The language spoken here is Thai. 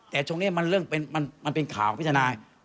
แต่ตรงนี้มันเรื่องมันเป็นข่าวพิจารณา